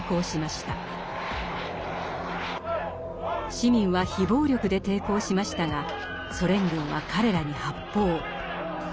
市民は非暴力で抵抗しましたがソ連軍は彼らに発砲。